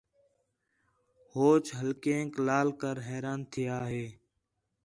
ہوچ ٻلھینک لال کر حیران تِھیا ہِے